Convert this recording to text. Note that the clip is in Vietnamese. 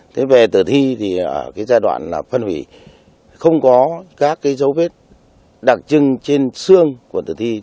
thế về tử thi thì ở cái giai đoạn là phân hủy không có các cái dấu vết đặc trưng trên xương của tử thi